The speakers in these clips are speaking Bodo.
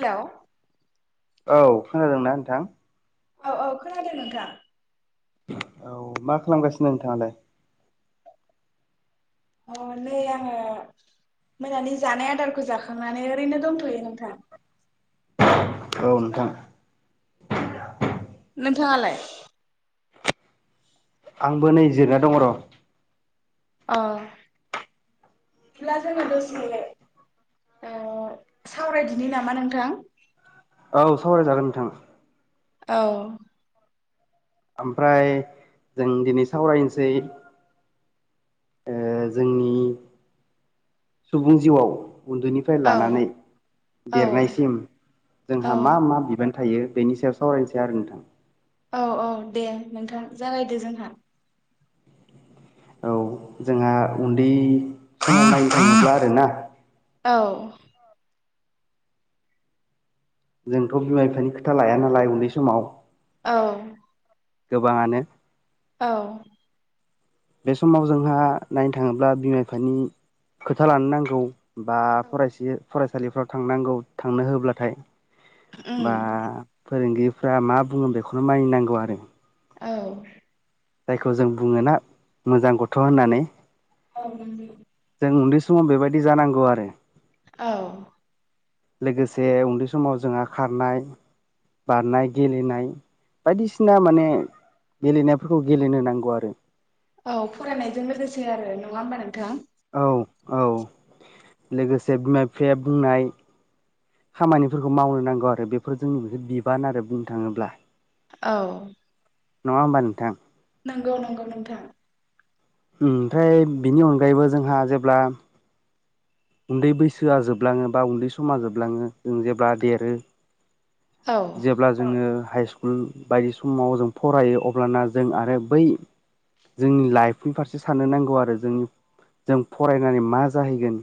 हेलौ औ खोनादोंना नोंथां औ औ खोनादों नोंथां औ मा खालामगासिनो नोंथाङालाय अ नै आङो मोनानि जानाय आदारखौ जाखांनानै ओरैनो दंथ'यो नोंथां औ नोंथां नोंथाङालाय आंबो नै जिरायना दङ र' अ बिदिब्ला जोङो दसे ओ सावरायदिनि नामा नोंथां औ सावरायजागोन नोंथां औ ओमफ्राय जों दिनै सावरायनोसै ओ जोंनि सुबुं जिवाव उन्दैनिफ्राय औ लानानै औ देरनायसिम औ जोंहा मा मा बिबान थायो बेनि सायाव सावरायनोसै आरो नोंथां औ औ दे नोंथां जागायदो जोंहा औ जोंहा उन्दै [inaudible] आरोना औ जोंथ' बिमा बिफानि खोथा लाया नालाय उन्दै समाव औ गोबाङानो औ बे समाव जोंहा नायनो थाङोब्ला बिमा बिफानि खोथा लानो नांगौ बा फरायसे फरायसालिफ्राव थांनांगौ थांनो होब्लाथाय उम बा फोरोंगिरिफ्रा मा बुङो बेखौनो मानिनांगौ आरो औ जायखौ जों बुङोना मोजां गथ' होननानै औ जों उन्दै समाव बेबायदि जानांदों औ लोगोसे उन्दै समाव जोंहा खारनाय बारनाय गेलेनाय बायदिसिना माने गेलेनायफोरखौ गेलेनो नांगौ आरो औ फरायनायजों लोगोसे आरो नङा होमबा नोंथाङा औ औ लोगोसे बिमा बिफाया बुंनाय खामानिफोरखौ मावनो नांगौ आरो बेफोर जोंनि बे बिबान आरो बुंनो थाङोब्ला औ नङा होनबा नोंथां नंगौ नंगौ नोंथां ओमफ्राय बिनि अनगायैबो जोंहा जेब्ला उन्दै बैसोआ जोबलाङो बा उन्दै समा जोबलाङो जों जेब्ला देरो औ जेब्ला जोङो हाइ स्कुल बायदि समाव जों फरायो अब्लाना जों आरो बै जोंनि लाइफनि फारसे साननो नांगौ आरो जोंनि जों फरायनानै मा जाहैगोन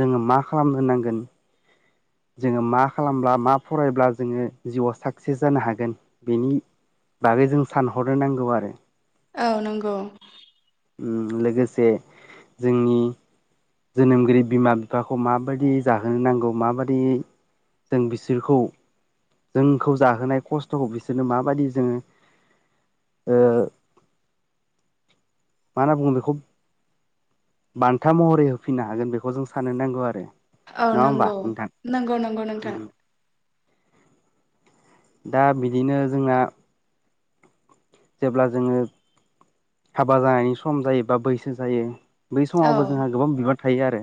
जोङो मा खालामनो नांगोन जोङो मा खालामब्ला मा फरायब्ला जोङो जिउआव साक्सेस जानो हागोन बेनि बागै जों सानहरनो नांगौ आरो औ नंगौ लोगोसे जोंनि जोनोमगिरि बिमा बिफाखौ माबायदि जाहोनो नांगौ माबायदि जों बिसोरखौ जोंखौ जाहोनाय खस्थ'खौ बिसोरनो माबाददि जोङो ओ मा होनना बुङो बेखौ बान्था महरै होफिननो हागोन बेखौ जों साननो नांगौ आरो औ नङा होमबा नंगौ नोंथां नंगौ नंगौ नोंथां उम दा बिदिनो जोंहा जेब्ला जोङो हाबा जानायनि सम जायो बा बैसो जायो बै औ समावबो जोंहा गोबां बिबान थायो आरो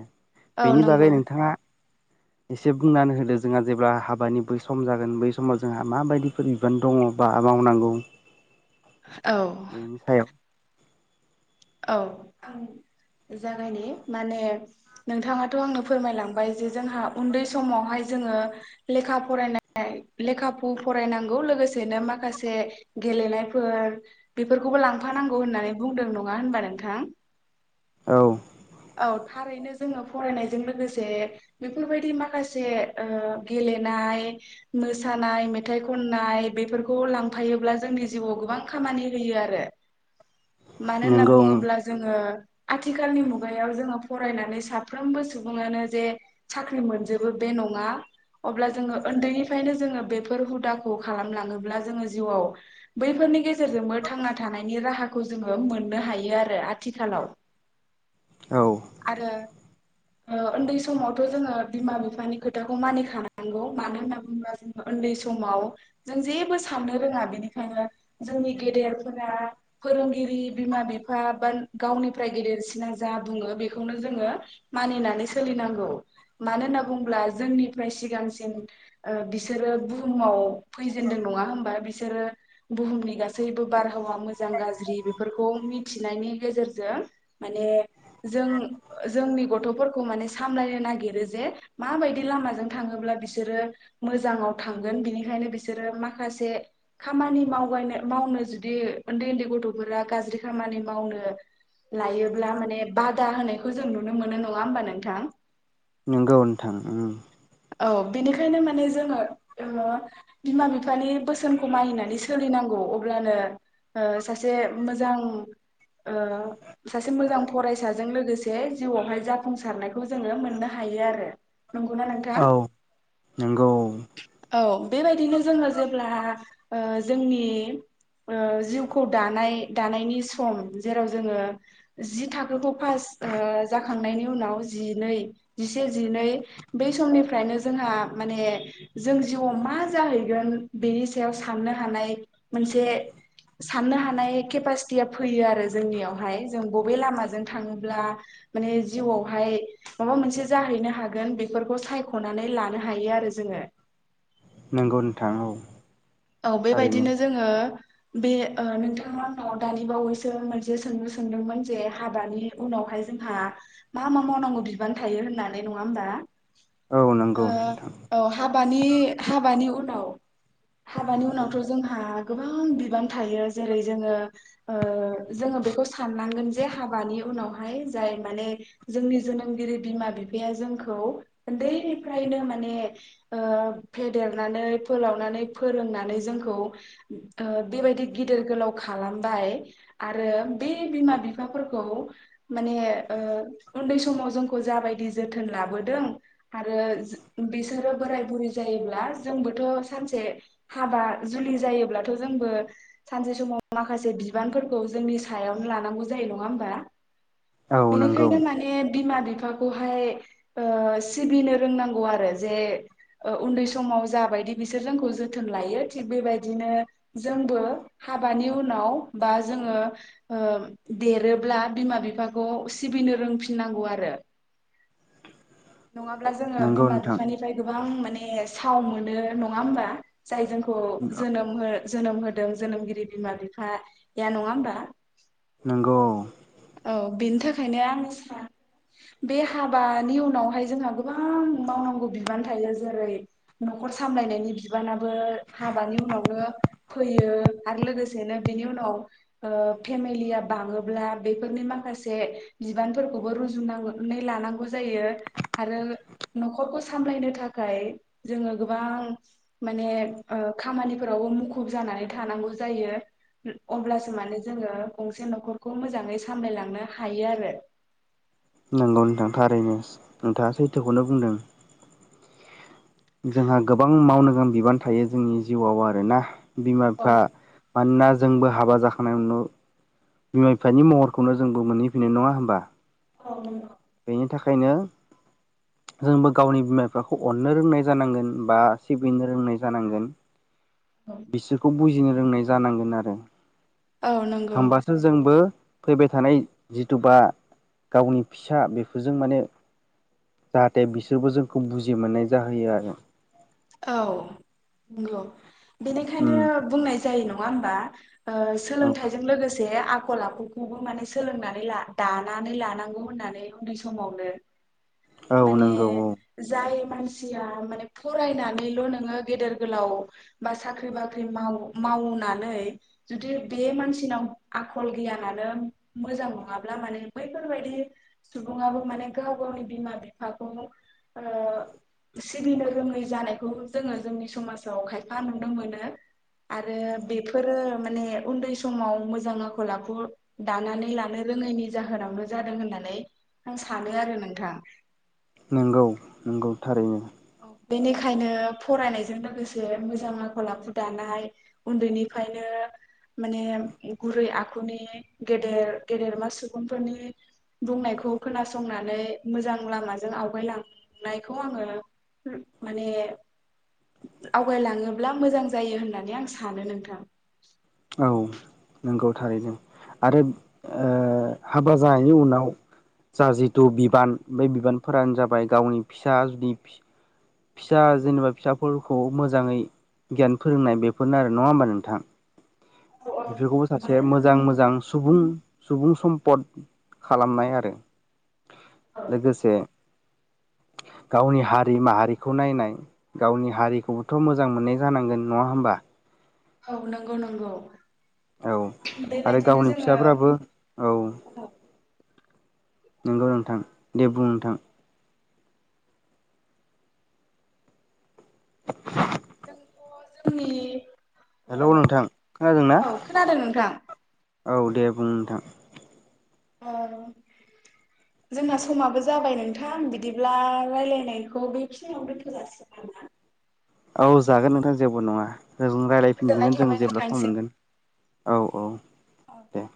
औ बेनि नंगौ बागै नोंथाङा एसे बुंनानै होदो जोंहा जेब्ला हाबानि बै सम जागोन बै समाव जोंहा माबायदिफोर बिबान दङ बा मावनांगौ औ बेनि सायाव औ आं जागायनि माने नोंथाङाथ' आंनो फोरमायलांबाय जे जोंहा उन्दै समावहाय जोङो लेखा फरायनाय लेखा फ फरायनांगौ लोगोसेनो माखासे गेलेनायफोर बेफोरखौबो लांफानांगौ होननानै बुंदों नङा होनबा नोंथां औ औ थारैनो जोङो फरायनायजों लोगोसे बेफोरबायदि माखासे ओ गेलेनाय मोसानाय मेथाइ खननाय बेफोरखौ लांफायोब्ला जोंनि जिउआव गोबां खामानि होयो आरो मानो होनना नंगौ बुङोब्ला जोङो आथिखालनि मुगायाव जोङो फरायनानै साफ्रोमबो सुबुङानो जे साख्रि मोनजोबो बे नङा अब्ला जोङो उन्दैनिफ्रायनो जोङो बेफोर हुदाखौ खालामलाङोब्ला जोङो जिउआव बैफोरनि गेजेरजोंबो थांना थानायनि राहाखौ जोङो मोननो हायो आरो आथिखालाव औ आरो उन्दै समावथ' जोङो बिमा बिफानि खोथाखौ मानिखानांगौ मानो होनना बुङोब्ला जोङ उन्दै समाव जों जेबो साननो रोङा बिनिखायनो जोंनि गेदेरफोरा फोरों गिरि बिमा बिफा बा गावनिफ्राय गेदेरसिना जा बुङो बेखौनो जोङो मानिनानै सोलिनांगौ मानो होनना बुङोला जोंनिफ्राय सिगांसिन बिसोरो बुहुमाव फैजेनदों नङा होमबा बिसोरो बुहुमनि गासैबो बारहावा मोजां गाज्रि बेफोरखौ मिथिनायनि गेजेरजों माने जों जोंनि गथ'फोरखौ माने सामलायनो नागिरो जे माबायदि लामाजों थाङोब्ला बिसोरो मोजाङाव थांगोन बिनिखायनो बिसोरो माखासे खामानि मावनो मावनो जुदि उन्दै उन्दै गथ'फोरखौ रा गाज्रि खामानि मावनो लायोब्ला माने बादा होनायखौ जों नुनो मोनो नङा होमबा नोंथां? नंगौ नोंथां उम। औ बेनिखायनो माने जोङो ओ बिमा बिफानि बोसोनखौ मानिनानै सोलिनांगौ अब्लानो ओ सासे मोजां ओ सासे मोजां फरायसाजों लोगोसे जिउआवहाय जाफुंसारनायखौ जोङो मोननो हायो आरो नंगौना नोंथां? औ नंगौ। औ बेबायदिनो जोङो जेब्ला ओ जोंनि ओ जिउखौ दानाय दानायनि सम जेराव जोङो जि थाखोखौ फास ओ जाखांनायनि उनाव जिनै जिसे जिनै बै समनिफ्रायनो जोंहा माने जों जिउआव मा जाहैगोन बिनि सायाव साननो हानाय मोनसे साननो हानाय केपासितिया फैयो आरो जोंनियावहाय बबे लामाजों थांब्ला माने जिउयावहाय माबा मोनसे जाहैनो हागोन बे बेफोरखौ सायख'नानै लानो हायो आरो जोङो नंगौ नोंथां औ। औ थारैनो बेबायदिनो जोङो बे ओ नोंथांङा आंनाव दानि बावैसो मोनसे सोंलु सोंदोंमोन जे हाबानि उनावहाय जोंहा मा मा मावनांगौ बिबान थायो होननानै नङा होनबा? औ नंगौ ओ नोंथां औ हाब हाबानि हाबानि उनाव हाबानि उनावथ' जोंहा गोबां बिबान थायो जेरै जोङो ओ जोङो बेखौ साननांगोन जे हाबानि उनावहाय जाय माने जोंनि जोनोमगिरि बिमा बिफाया जोंखौ उन्दैनिफ्रायनो माने ओ फेदेरनानै फोलावनानै फोरोंनानै जोंखौ ओ बेबायदि गिदिर गोलाव खालामबाय आरो बे बिमा बिफाफोरखौ माने ओ उन्दै समाव जोंखौ जाबायदि जोथोन लाबोदों आरो बिसोरो बोराय बुरै जायोब्ला जोंबोथ' सानसे हाबा जुलि जायोब्लाथ' जोंबो सानसे समाव माखासे बिबानफोरखौ जोंनि सायावनो लानांगौ जायो नङा होमबा? औ नंगौ बेनिखायनो माने बिमा बिफाखौहाय ओ सिबिनो रोंनांगौ आरो जे उन्दै समाव जाबायदि बिसोर जों ज जोथोन लायो थिग बेबायदिनो जोंबो हाबानि उनाव बा जोङो ओ देरोब्ला बिमा बिफाखौ सिबिनो रोंफिननांगौ आरो नङाब्ला जोङो नंगौ बिमा नोंथां बिफानिफ्राय गोबां माने ए साव मोनो नङा होमबा? जाय जोंखौ जोनोम हो जोनोम होदों जोनोमगिरि बिमा बिफाया नङा होमबा? नोंगौ। ओंखायनो आं सानो बे हाबानि उनावहाय जोंहा गोबां मावनांगौ बिबान थायो जेरै न'खर सामलायनायनि बिबाना बो हाबानि उनावनो फैयो आरो लोगोसेनो बेनि उनाव ओ फेमिलिया बाङोब्ला बेफोरनि माखासे बिबानफोरखौबो रुजुननानै लानांगौ जायो आरो न'खरखौ सामलायनो थाखाय जोङो गोबां माने ओ खामानिफोरावबो मुखुब जानानै थानांगौ जायो अब्लासो माने जोङो गंसे न'खरखौ मोजाङै सामलायलांनो हायो आरो। नंगौ नोंथां थारैनो नोंथाङा सैथोखौनो बुंदों जोंहा गोबां मावनो गां बिबान थायो जोंनि जिउआव आरोना? बिमा औ बिफा मानोना जोंबो हाबा जाखांनायनि उनाव बिमा बिफानि महरखौनो जोंबो मोनहैफैनाय नङा होमबा? औ। ओंखायनो जोंबो गावनि बिमा बिफाखौ अननो रोंनाय जानांगोन बा सिबिनो रोंनाय जानांगोन। औ बिसोरखौ बुजिनो रोंनाय जानांगोन आरो नंगौ होमबासो जोंबो फैबाय थानाय जिथु बा गावनि फिसा बेफोरजों माने जाहाथे बिसोरबो जोंखौ बुजि मोननाय जाहोयो आरो। औ नंगौ बेनिखायनो उम बुंनायसै जायो नङा होमबा ओ औ सोलोंथाइजों लोगोसे से आखल आखुखौबो माने सोलोंनानै दानानै लानांगौ होननानै उन्दै समावनो औ माने नंगौ औ जाय मानसिया माने फो फरायनानैल' नोङो गेदेर गोलाव बा साख्रि बाख्रि माव मावनानै जुदि बे मानसिनाव आखल गियानो मोजां नङाब्ला माने बैफोरबायदि सुबुङाबो माने गाव गावनि बिमा बिफाखौ ओ सिबिनो रोङै जानायखौ जोङो जोंनि समाजाव खायफा नुनो मोनो आरो बेफोरो माने उन्दै समाव मोजां आखल आखु दानानै लानो रोङैनि जाहोनावनो जादों होननानै आं सानो आरो नोंथां। नंगौ नंगौ थारैनो औ बेनिखायनो फरायनायजों लोगोसे मोजां आखल आखु दानाय उन्दैनिफ्रायनो माने गुरै आखुनि गेदेर गेदेरमा सुबुंफोरनि बुंनायखौ खोनासंनानै मोजां लामाजों आवगायलांनायखौ आङो माने आवगायलाङोब्ला मोजां जायो होननानै आं सानो नोंथां। औ नंगौ थारैनो आरो ओ हाबा जानायनि उनाव जा जिथु बिबान बे बिबानफोरानो जाबाय गावनि फिसा जुदि फि-फिसा जेनेबा फिसाफोरखौ मोजाङै गियान फोरोंनाय बेफोरनो आरो नङा होमबा नोंथां? औ औ बेफोरखौबो सासे मानो होनना मोजां मोजां बुङोब्ला सुबुं सुबुं सम्पद खालामनाय आरो लोगोसे गावनि हारि माहारिखौ नायनाय गावनि हारिखौबोथ' मोजां मोननाय जानांगोन नङा होमबा? औ नंगौ नंगौ औ आरो बेबायदिनो गावनि जोङो औ फिसाफ्राबो औ नंगौ नोंथां दे बुं नोंथां? [unintelligible] जोंनि हेलौ नोंथां खोनादोंना [inaudible] औ खोनादों नोंथां? औ दे बुं नोंथां औ जोंना समाबो जाबाय नोंथां बिदिब्ला रायलायनायखौ बेखिनिावनो दोनथ' जासिगोन नामा? औ जागोन नोंथां जेबो नङा जों गोजोननाय रायलायफिनगोन जों थाबाय जेब्ला सम नोंथांसिम। मोनगोन औ औ औ दे